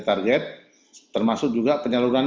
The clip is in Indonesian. target termasuk juga penyaluran